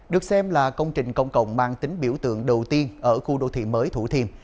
được xem là công trình công cộng mang tính biểu tượng đầu tiên ở khu đô thị mới thủ thiêm